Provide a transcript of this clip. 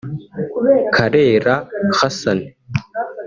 Karera Hassan